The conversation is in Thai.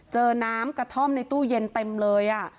เจอน้ำกระท่อมในตู้เย็นเต็มเลย